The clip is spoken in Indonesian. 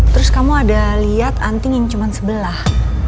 terus kamu ada liat anting yang cuman sebelah